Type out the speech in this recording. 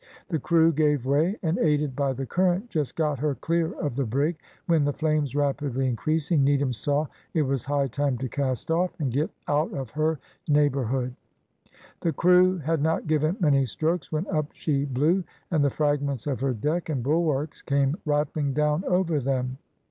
The crew gave way, and, aided by the current, just got her clear of the brig, when, the flames rapidly increasing, Needham saw it was high time to cast off, and get out of her neighbourhood. The crew had not given many strokes when up she blew, and the fragments of her deck and bulwarks came rattling down over them.